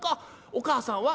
お母さんは」。